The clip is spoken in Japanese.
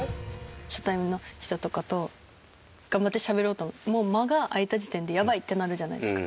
初対面の人とかと頑張ってしゃべろうともう間が空いた時点でやばいってなるじゃないですか。